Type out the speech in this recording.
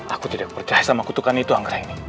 aku tidak percaya sama kutukan itu angka ini